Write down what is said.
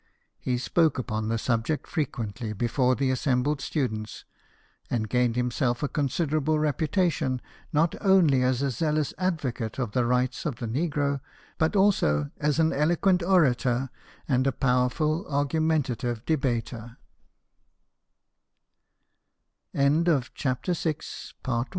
He spoke upon the subject frequently before the assembled students, and gained him self a considerable reputation, not only as a zealous advocate of the rights of the negro, bu; also as an eloquent orator and a powerful argumentative